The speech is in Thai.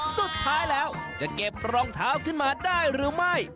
สุดท้ายแล้วจะเก็บรองเท้าขึ้นมาได้หรือไม่